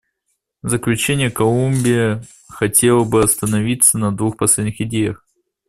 В заключение Колумбия хотела бы остановиться на двух последних идеях.